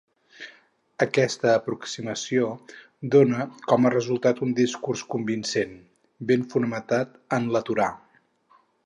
Aquesta aproximació dóna com a resultat un discurs convincent, ben fonamentat en la Torà.